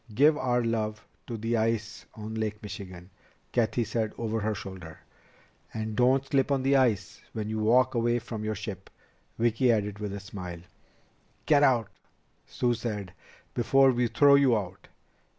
"Give our love to the ice on Lake Michigan," Cathy said over her shoulder. "And don't slip on the ice when you walk away from your ship," Vicki added with a smile. "Get out," Sue said, "before we throw you out.